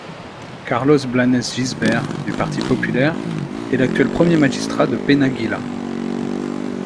Carlos Blanes Gisbert, du Parti Populaire, est l'actuel premier magistrat de Penàguila.